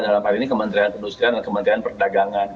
dalam hal ini kementerian perindustrian dan kementerian perdagangan